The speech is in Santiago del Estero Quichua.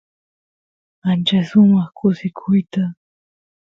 ancha sumaq kusikuyta